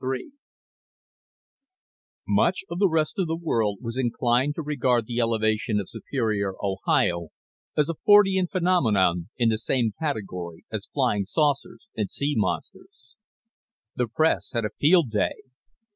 III Much of the rest of the world was inclined to regard the elevation of Superior, Ohio, as a Fortean phenomenon in the same category as flying saucers and sea monsters. The press had a field day.